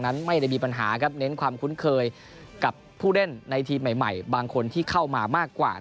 ดังนั้นไม่ได้มีปัญหาครับเจนความคุ้นเคยกับผู้แร่นในทีมใหม่